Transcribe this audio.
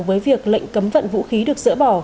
với việc lệnh cấm vận vũ khí được dỡ bỏ